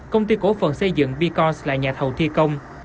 công ty cổ phần xây dựng vcons là nhà thầu thi công